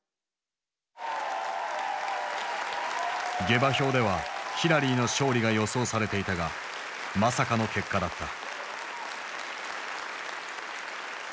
下馬評ではヒラリーの勝利が予想されていたがまさかの結果だった。